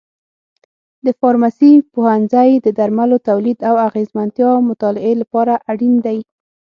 د فارمسي پوهنځی د درملو تولید او اغیزمنتیا مطالعې لپاره اړین دی.